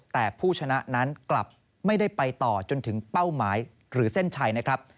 แต่ผู้ชนะนั้นกลับไม่ได้ไปต่อจนถึงเป้าหมายหรือเส้นชัยนะครับ